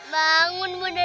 bangun bunda dari